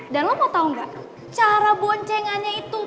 dan lo mau tau gak cara boncengannya itu